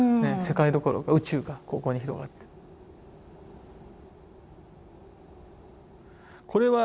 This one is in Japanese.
世界どころか宇宙がここに広がってる。